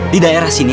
di daerah sini